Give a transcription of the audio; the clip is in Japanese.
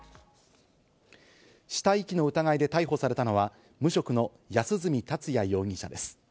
死体遺棄の疑いで逮捕されたのは無職の安栖達也容疑者です。